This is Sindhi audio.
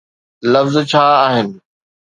لفظ ڇا آهن؟